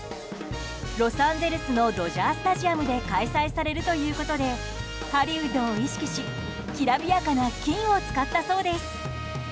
ロサンゼルスのドジャースタジアムで開催されるということでハリウッドを意識しきらびやかな金を使ったそうです。